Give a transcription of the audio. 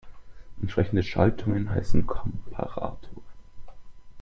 Entsprechende Schaltungen heißen Komparator.